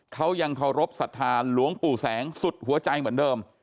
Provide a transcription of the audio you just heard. เขายังเคารพสัทธาหลวงปู่แสงสุดหัวใจเหมือนเดิม